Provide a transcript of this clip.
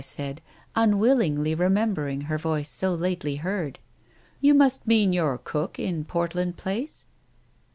he said, unwillingly, remem bering her voice so lately heard. "You mean your cook in Portland Place